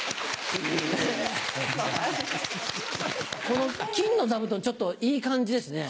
この金の座布団ちょっといい感じですね。